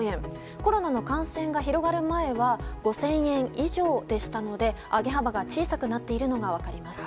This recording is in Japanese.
コロナの感染が広がる前は５０００円以上でしたので上げ幅が小さくなっているのが分かります。